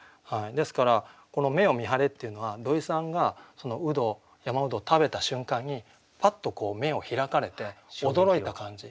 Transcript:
ですからこの「目を見張れ」っていうのは土井さんが独活山独活を食べた瞬間にパッと目を開かれて驚いた感じ。